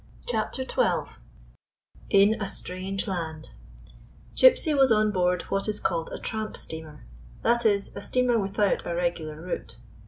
CHAPTER XII IN A STRANGE LAND G YPSY was on board wliat is called a tramp steamer. That is, a steamer with out a regular route.